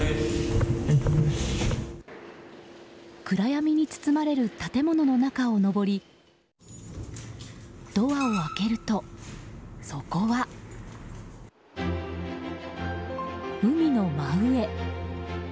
暗闇に包まれる建物の中を上りドアを開けると、そこは海の真上。